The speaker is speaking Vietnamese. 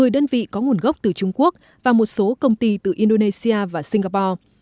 một mươi đơn vị có nguồn gốc từ trung quốc và một số công ty từ indonesia và singapore